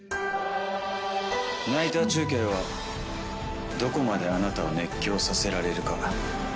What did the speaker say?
ナイター中継はどこまであなたを熱狂させられるか。